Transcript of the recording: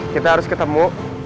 kita harus ketemu